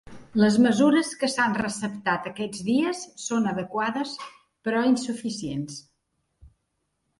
Les mesures que s’han receptat aquests dies són adequades però insuficients.